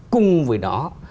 cùng với đó